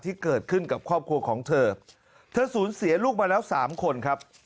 ที่เกิดขึ้นกับครอบครัวของเธอเธอสูญเสียลูกมาแล้วสามคนครับ